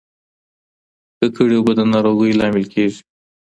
ککړې اوبه د ناروغیو لامل کیږي.